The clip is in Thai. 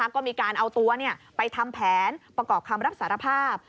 ก็มีการเอาตัวไปทำแผนประกอบคำรับสารภาพ